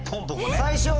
最初。